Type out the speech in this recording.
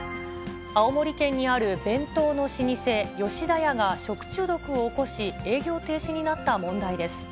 青森県にある弁当の老舗、吉田屋が食中毒を起こし、営業停止になった問題です。